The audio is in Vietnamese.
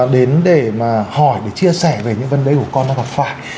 đến để mà hỏi để chia sẻ về những vấn đề của con đang gặp phải